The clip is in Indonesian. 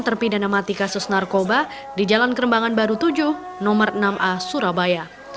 terpidana mati kasus narkoba di jalan kerembangan baru tujuh nomor enam a surabaya